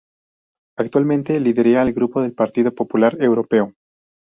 Actualmente lidera el Grupo del Partido Popular Europeo.